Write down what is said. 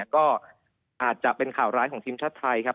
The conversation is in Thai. ก็อาจจะเป็นข่าวร้ายของทีมชาติไทยครับ